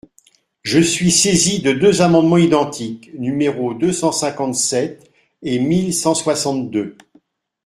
Je suis saisi de deux amendements identiques, numéros deux cent cinquante-sept et mille cent soixante-deux.